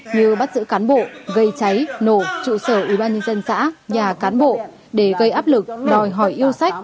như bắt giữ cán bộ gây cháy nổ trụ sở ubnd xã nhà cán bộ để gây áp lực đòi hỏi yêu sách